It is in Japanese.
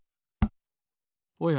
おや？